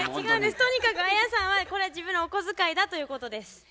違うんですとにかくアヤさんはこれは自分のお小遣いだということです。